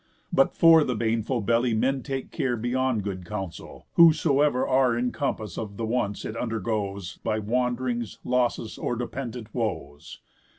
_ But for the baneful belly men take care Beyond good counsel, whosoever are In compass of the wants it undergoes By wand'rings, losses, or dependent woes.